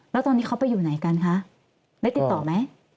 แล้วตอนนี้เขาไปอยู่ไหนกันคะได้ติดต่อไหม